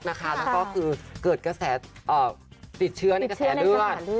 แล้วก็คือเกิดกระแสติดเชื้อในกระแสเลือด